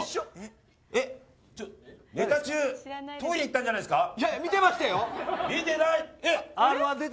ネタ中、トイレに行ったんじゃないですか。